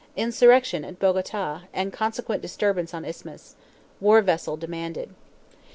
Insurrection at Bogota, and consequent disturbance on Isthmus. War vessel demanded.